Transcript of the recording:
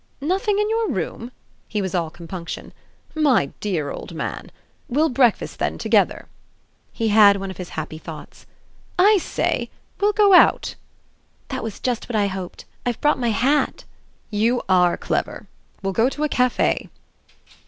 "Nothing in your room?" he was all compunction. "My dear old man! we'll breakfast then together." He had one of his happy thoughts. "I say we'll go out." "That was just what I hoped. I've brought my hat." "You ARE clever! We'll go to a café."